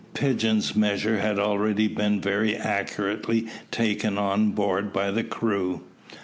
Pigeon's measure had already been very accurately taken on board by the crew.